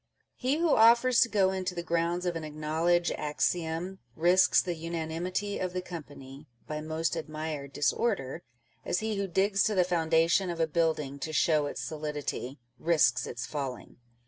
He who offers to go into the grounds of an acknowledged axiom, risks the unanimity of the company " by most admired disorder," as he who digs to the foundation of a building to show its solidity, risks its falling.